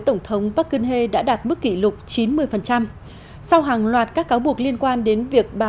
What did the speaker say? tổng thống park geun hye đã đạt mức kỷ lục chín mươi sau hàng loạt các cáo buộc liên quan đến việc bà